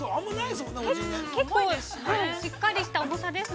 結構、しっかりした重さですね。